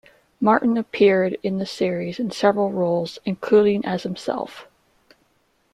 Martin appeared in the series in several roles, including as himself.